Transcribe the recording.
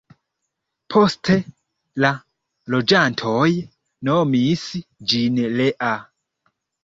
Poste la loĝantoj nomis ĝin Lea.